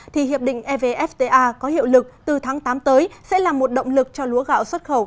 thì hiệp định evfta có hiệu lực từ tháng tám tới sẽ là một động lực cho lúa gạo xuất khẩu